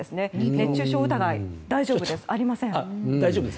熱中症疑い、大丈夫です。ありません。